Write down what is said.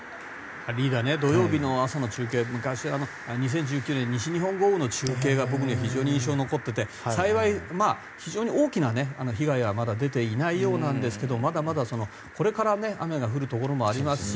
リーダー土曜朝の中継っていうと２０１９年、西日本豪雨の中継が非常に印象に残っていて幸い、非常に大きな被害はまだ出ていないようですけどまだまだ、これから雨が降るところもありますし